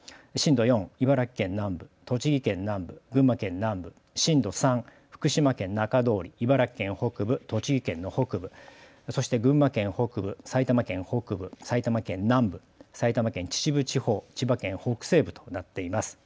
震度４、茨城県南部、栃木県南部、群馬県南部、震度３、福島県中通り茨城県北部、栃木県の北部、そして群馬県北部、埼玉県北部、埼玉県南部、埼玉県秩父地方、千葉県北西部となっています。